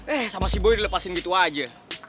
eh sama si boyo dilepasin gitu aja